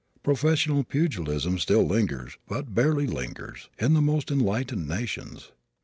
Professional pugilism still lingers, but barely lingers, in the most enlightened nations.